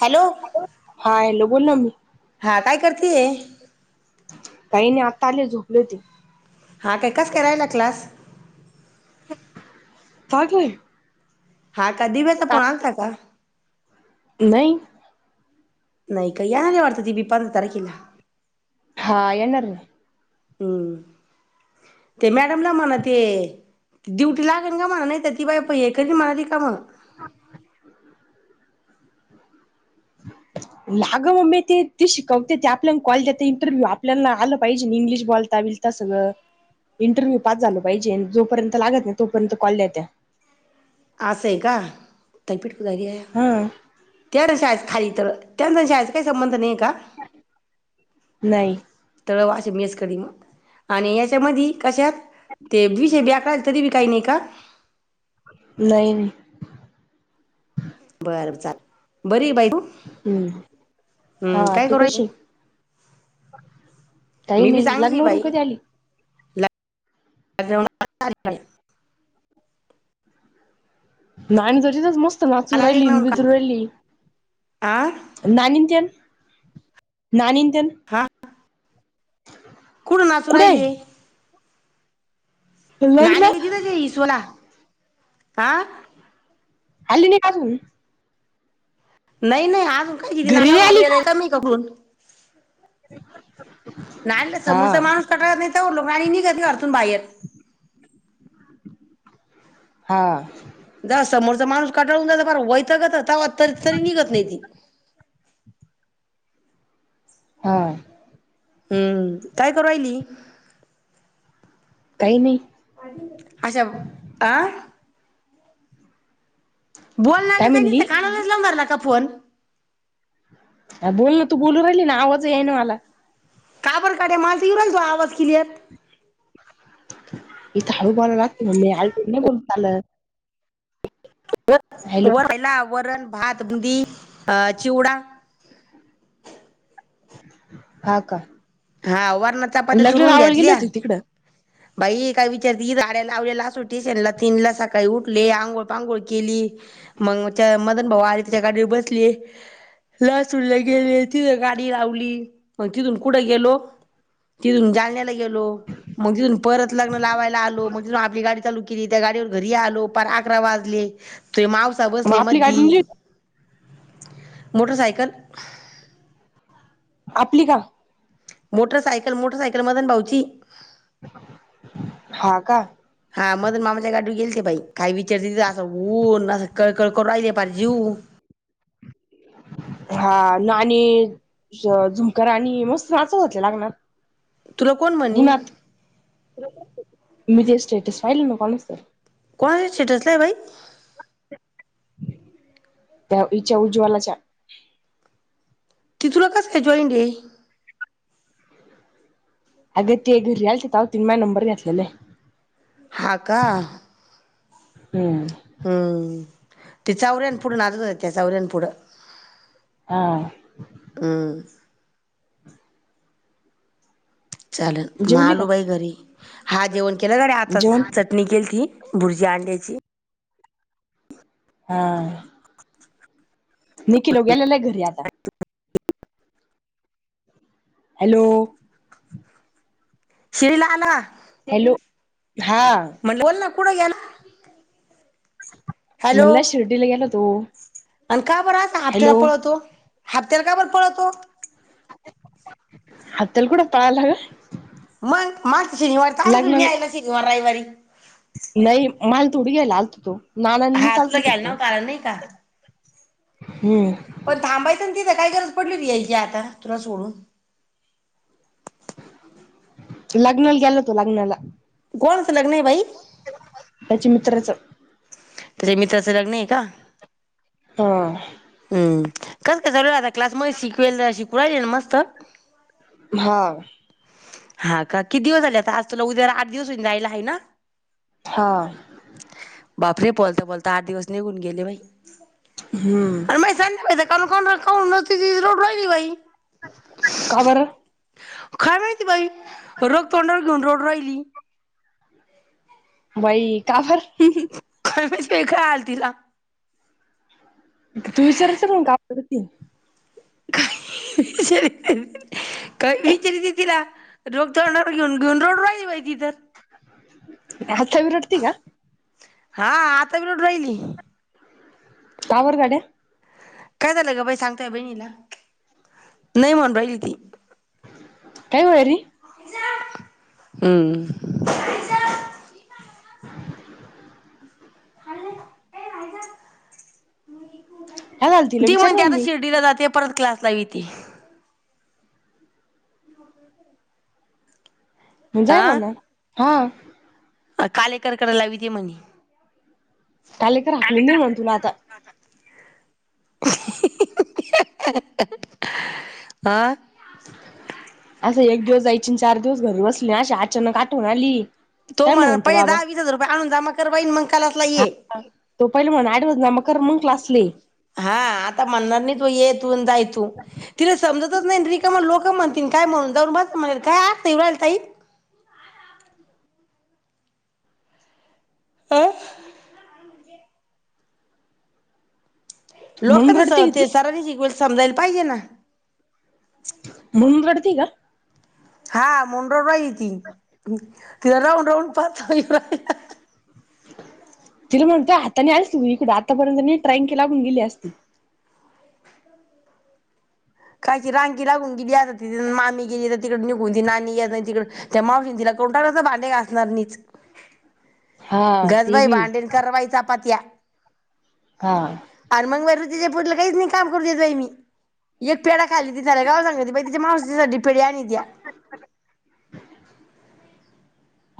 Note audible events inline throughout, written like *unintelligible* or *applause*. Hello हा hello बोल ना मी हा काय करतीये काही नाही आता आले झोपले होती. हा काय कसंका राहीला क्लास *unintelligible* हा का दिव्याचा फोन आलता का नाही नाही काही याल्या वाटत ती बी पंधरा तारखिला हा येणार ना हुं ते मॅडमला म्हण ते ड्युटी लागल का म्हणा *unintelligible* *unintelligible* लाग मम्मी ती ती शिकवते ती आपल्यान कॉल देत इंटरव्ह्यू आपल्याला आलं पाहिजे इंग्लिश बोलता बिलता सगळं इंटरव्ह्यू पास झाल पाहिजे जोपर्यंत लागतन तोपर्यंत कॉल देते. आस हे का ताई पिट *unintelligible* हा तळ त्याचा जास्त काही संबंध नाही हे का नाही. तळ *unintelligible* आणि याच्यामधी कशात ते विषय बॉक राहिलत ती बी काही नाही का नाही बर चाल बरी आहे बाई तू हुं हा हम्म काय तू करू राहिली कशी आहे. काही मी बी नाही चांगली आहे लग्नावरून बाई कधी आली. *unintelligible* नाही *unintelligible* नाचुराहिली बित्रुराहिली नानीन तेन नानीन तेन कोण नाचू कुठे आहे? राहिली नानी लग्नात *unintelligible* हा आली नाही का आजून नाही नाही आजून काय गेली नाही घरी नाणी आली एवढ्या का? लवकर *unintelligible* *unintelligible* नाही ना हा समोरचा माणूस कटळत नाहीत. तेवोर लोकं आणि निघणाती घरातून बाहेर. हा जा समोरचा माणूस कटाळून जात पाक वैतागत तावा तर तरी निघत नाही ती. हां तरयली काही नाही अच्छाब आ बोल ना काय गं काही म्हणली निस्तं कानालाच लावून धरला का फो फोन अं बोल ना तू बोलू राहिली ना आवाज येई ना मला. का बर काट्या माल तं इऊ राहिल तु आवाज क्लिअर. हीत हाळू बोलनात की मग चालत हॅलो वर राहिला वरण भात बुंदी. अ चिवडा हा का हां वरणं चपाती लग्न चुरून आवड गेली घेतल्या होती तिकडं बाई काय विचारती, गाड्या लावल्या लासूर स्टेशनला, तीन ला सकाळी उठले, आंघोळ पांघोळ केली, मंग च मदन भाऊ आल् तीच्या गाडीवर बसले, लासूर ला गेले, तिथ गाडी लावली, मग तिथून पुढं गेलो तितून जाळण्याला गेलो मग तिथून परत लग्न लावायला आलो मग आपली गाडी चालू किती त्या गाडीवर घरी आलो पार अकरा वाजले. तुझे मावसा मग बसले आपली गाडी नेली मधी. होती मोटरसायकल आपली का? मोटरसायकल, मोटरसायकल मदन भाऊची हां का हा मदन मामाच्या गाडीव गेलती बाई काय विचारती उन्नाच कळकळ करू राइले पार जिव. हां ना आणि झुमकराणी मस्त नाचत होते लग्नात. तुला कोण म्हणी होनात मी ते स्टेटस पाहिलं ना काल. कोणा स्टेटसला बाई? त्या इच्या उज्ज्वलाच्या. ती तुला कस का जॉंईंड हे? अगं ते घरला आलती तव तेनी माय नंबर घेतल्यालं. हा का हं हं ते चौऱ्यान पुुढं नाचत होत्या चौऱ्यान पुुढं. हा. चालल म जेवली का आलो बाई घरी, हा जेवण केलय गड्या आताच जेवण चटणी केलती. बुर्जी अंड्याची. हा. निखिल उग्यालालाय घरी आता. *inaudible* हॅलो. श्रीला आला. हॅलो. हा. कुड गेला. हॅलो म्हणला शिर्डीला गेला तो. आणि का बरं असं आ हॅलो *unintelligible* पळतो. हप्त्याला का बर पळतो. *unintelligible* कुठ पाळाला ग. *inaudible* शनिवार *unintelligible* शनिवारी रविवारी. *inaudible* नई माल थोडी घ्यायला आलतो. नाना न मी हा च तुला आलतो घ्यायला फक्त. नव्हता आला नाही का? हम्म. पण थांबायच ना तिथ काय गरज पडली होती यायची आता तुला सोडून. लग्नाला गेला तो लग्नाला. कोणाच लग्न ए भाई. त्याच्या मित्राच. त्याच्या मित्राचं लग्न आहे का. हा. कस कस चालू आता. क्लास मध्ये शिकलेल, शिकवायले ना मस्त. हा हा का किती दिवस झाले आता आज तुला उद्याला आठ दिवस होऊन जायला हाय ना. हा. बापरे बोलता बोलता आठ दिवस निघून गेले बाई. हम्म *unintelligible* *inaudible* का बर. काय माहिती बाई रग तोंडावर घेऊन रडू राहिली. बाई का बर. *unintelligible* आल तिला. तू विचारायचं नाही का. *unintelligible* *unintelligible* तिला रोग तोडांवर घेऊन घेऊन रडू राहिली बाई ती तर आता भी रडती आहे का, हा आता बी रडू राहिली. का बर गड्या काय झालं ग बाई सांगताय बहिणीला, नाही म्हणून राहिली ती काय होय री हम् खाल्ले नाहीय झा काय झालं तिला ती विचार म्हणते ना आता मी शिर्डीला जाते. परत क्लासला ईती हो हो जाय म्हणा, हा अ कालेकर कडे लावीती म्हणे कालेकर हाकलून दे म्हण तुला आता हा *inaudible* असं एक दिवस जायची चार दिवस घरी बसली अशा अचानक आठवून आली. तो काय म्हणल म्हणून पहिले बाबा दहा वीस हजार रुपये आणून जमा कर आणि मग कलासला ये. तो पहिले म्हण आडवज ना मग कर मग क्लासले हा आता म्हणणार नाही तो येत. *unintelligible* रिकाम लोक म्हणतील काय म्हणून जाऊण बस, म्हणून काय आत नाहीव साब अं म्हणून लोकच रडते का ते ती सरांनी शिकवल समजायला पाहिजे ना म्हणुन रडती का हा म्हणुन रडू राहीली ति, तिला राहून राहून रडु यायलय परत तिला म्हणते हाताने आली, तु इकड आतापर्यंत ट्राईंग केला पण गेली असती. कायची रांगी लागून गेली. तिथ मामी गेली तर तिकड निघून ती नाणी गेलाय नाही. तिकडे त्या मावशी नी तिला *unintelligible* भांडे घासणार मिच हा घास ते बाई बी भांडी आणि कर बाई चपात्या हा आन मंग वर पुढ काहीच नाही काम करून देतई मी पेढा खाल्ली की सार गावला सांगती बरं तिच्या मावशी साठी पेढा आणित्या,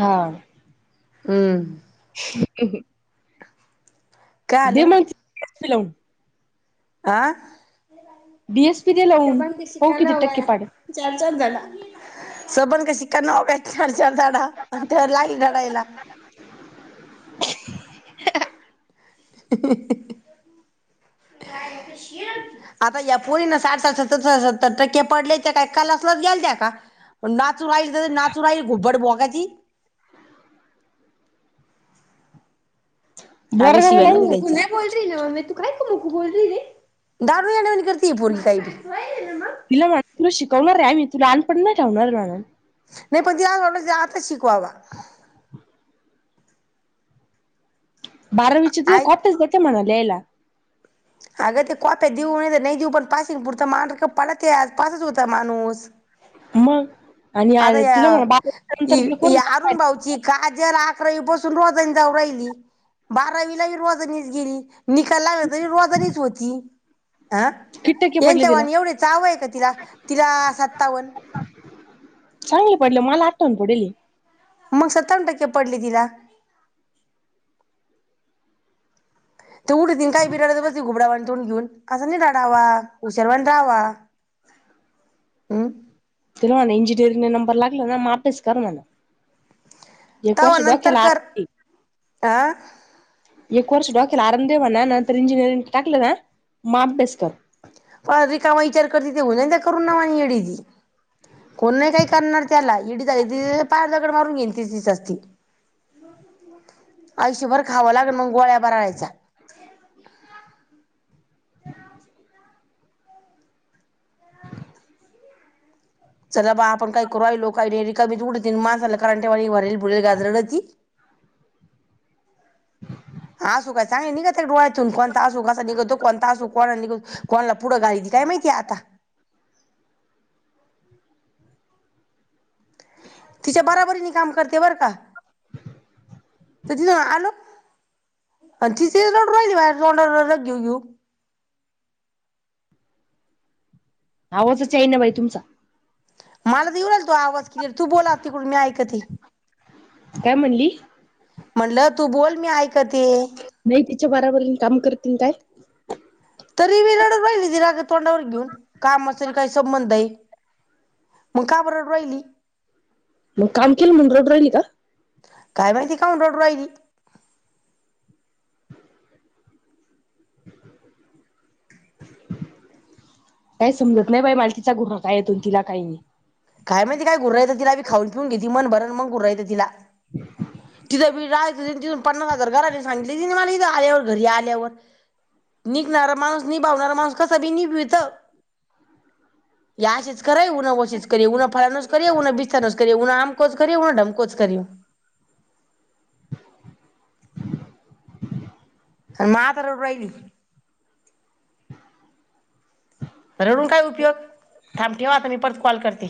हा हम्म ह् ह काल सिलोंग आ. डीएसपी द लाउन पाऊ किती टक्के पाडे सन घरा सबन का शिकाना होवे चार चार झाडा त्यावर लागली रडायला. आता या पोरीना साठ साठ सत्तर सत्तर टक्के पडले त्या का कलासवर गेलत्या का पण नाचु बाई गुब्बड बाम नजी आंग बोरगावला शिव्या लावून नको घेऊ गुण्या गो ते नव म ती काय कुणा कुटं बोललेली दारु झाल्याबिगर तिला वाटलं शिकवणार आहे मी तू लहानपनी ना *unintelligible* नाही पण आता शिक वा वा. बारावीची द ऐक खोटच देते म्हणाली. लेला अगं ते कॉप्या देऊ नाही नाही देऊ पण पासिंग पुरतं म पडत आज पासच होता माणूस मग आणि आ आता तिला या म्हणा बारावीनंतर ती एक ती वर्ष अरुण भाऊची काजल अकरावी पासून रोजानी जाऊ राहिली बारावीला रोजानीच गेली. निकाल लागला तरी रोजनीच होती. हं किती टक्के पडले तिला? यांच्यावाणी एवढे चावंय का तिला तिला सत्ताव्वन चांगलं पडलं मला आठव्वन पडली. मग सत्तावन टक्के पडले तिला ते उठतील काही बी रडत बसती घुबडावाण तोंड घेऊन असं नाही राडावा उशावानी रावा हम् ते इंजिनिअरिंग न नंबर लागल आ मापेच कर ना. तव नंतर कर अ एक वर्ष डोकेला आराम देे म्हणावं नंतर इंजनीरींगला टाकलं ना मग अभ्यास कर प रिकामा विचार करते तेऊ त्या करून नावा येडी कोण नाही काही करणार त्याला इडी झाली ती पायावर दगड मारून घेईल. *unintelligible* *unintelligible* *inaudible* *unintelligible* पुढ घालिती काय माहिती आता तिच्या बराबरीन काम करत *unintelligible* आले बरं का *unintelligible* आवाजच येईना बाई तुमचा मला तर येऊ राहिला त्यो आवाज क्लिअर तू बोल आता मी ऐकते काय म्हणली म्हणलं तू बोल मी ऐकते नाही तिच्या बाराबरीन काम करती आण काय तरी बी रडत बसली तोंडावर रग घेऊन कामाचा अन् काय संबंध ये मग का बर रडू राहिली मंग काम केलं म्हणून रडू राहिली का? काय माहिती कामुन रडू राहिली काय समजत नाही बाई मला तीच घुर काय येतो आण तिला काय? काय माहिती काय घूर येत तिला बी खाऊन पिऊन घेती मनभरून मंग घूर येत तिला. *unintelligible* इथून तिथून पन्नास हजार गाऱ्हाणे सांगितलं तीन मला ईद आल्यावर घरी आल्यावर, निघणार माणूस निभावणारा माणूस कसही निभावीत ही अशीच कर उन *unintelligible* *unintelligible* कधी उनो आमकोच करी, उनो ढमकोच करी म आता रडू राहिली रडून काय उपयोग थांब ठेव आता मी परत कॉल करते